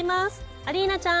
アリーナちゃん。